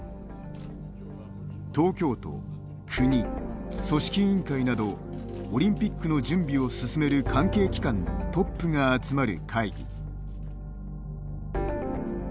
東京都、国、組織委員会などオリンピックの準備を進める関係機関のトップが集まる会議。